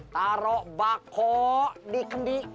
taruh bako di kendi